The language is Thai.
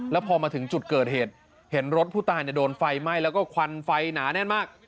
แล้วพอมาถึงจุดเกิดเหตุเห็นรถผู้ตายโดนไฟไหม้แล้วก็ควันไฟหนาแน่นมาก